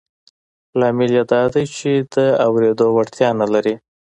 لامل یې دا دی چې د اورېدو وړتیا نه لري